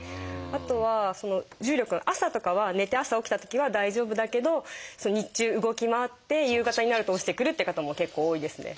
あとは重力の朝とかは寝て朝起きたときは大丈夫だけど日中動き回って夕方になると落ちてくるって方も結構多いですね。